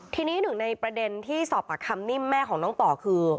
ทีนี้หนึ่งในประเด็นที่สอบปากคำนิ่มแม่ของน้องต่อคือ